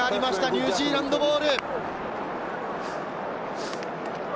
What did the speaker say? ニュージーランドボール。